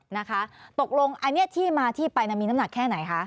นะคะตกลงอันนี้ที่มาที่ไปมีน้ำหนักแค่ไหนคะ